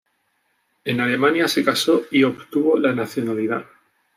En Alemania se casó y obtuvo la nacionalidad.